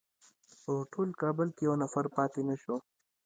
په ټول کابل کې یو نفر پاتې نه شو.